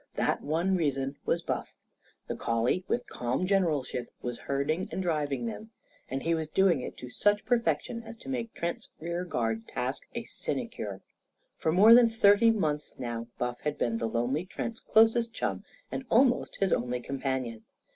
That one reason was Buff. The collie, with calm generalship, was herding and driving them. And he was doing it to such perfection as to make Trent's rearguard task a sinecure. For more than thirty months now Buff had been the lonely Trent's closest chum and almost his only companion.